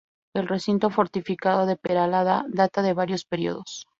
El recinto fortificado de Peralada data de varios periodos.